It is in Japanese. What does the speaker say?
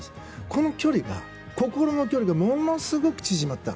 この距離が心の距離がものすごく縮まった。